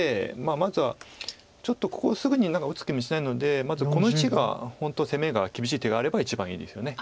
まずはちょっとここすぐに何か打つ気もしないのでまずこの石が本当攻めが厳しい手があれば一番いいですよね。